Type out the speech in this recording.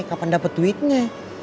kapan dapet duitnya